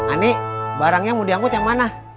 aneh barangnya mau diangkut yang mana